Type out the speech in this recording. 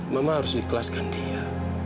mama harus ikhlaskan dia